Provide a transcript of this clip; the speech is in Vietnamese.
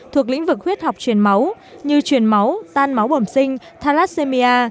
thuộc lĩnh vực huyết học truyền máu như truyền máu tan máu bẩm sinh thalassemia